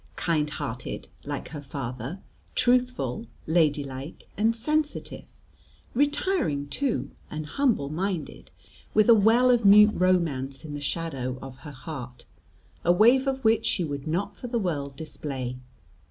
Kind hearted like her father, truthful, ladylike, and sensitive; retiring too, and humble minded, with a well of mute romance in the shadow of her heart, a wave of which she would not for the world display.